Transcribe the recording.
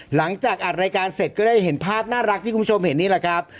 หลังจากอัดรายการเสร็จก็ได้เห็นภาพน่ารักที่คุณผู้ชมเห็นนี่แหละครับ